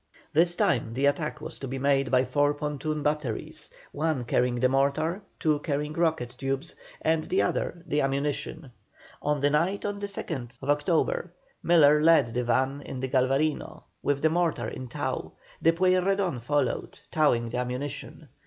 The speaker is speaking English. This time the attack was to be made by four pontoon batteries, one carrying the mortar, two carrying rocket tubes, and the other the ammunition. On the night of the 2nd October, Miller led the van in the Galvarino, with the mortar in tow, the Pueyrredon followed, towing the ammunition.